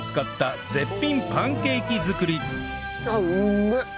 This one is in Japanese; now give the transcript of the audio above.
あっうめえ！